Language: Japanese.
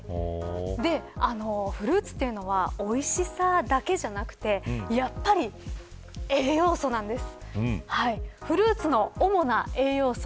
フルーツというのはおいしさだけではなくてやっぱり栄養素なんです。